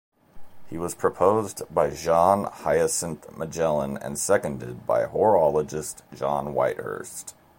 He was proposed by Jean-Hyacinthe Magellan and seconded by horologist John Whitehurst.